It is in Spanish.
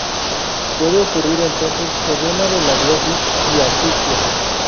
Puede ocurrir entonces edema de la glotis y asfixia.